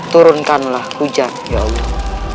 turunkanlah hujan ya allah